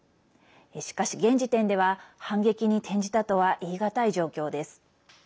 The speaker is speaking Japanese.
しかし現時点では、反撃に転じたとは言い難い状況です。